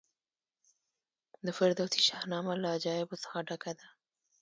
د فردوسي شاهنامه له عجایبو څخه ډکه ده.